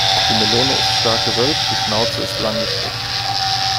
Die Melone ist stark gewölbt, die Schnauze ist langgestreckt.